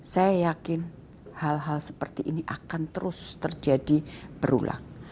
saya yakin hal hal seperti ini akan terus terjadi berulang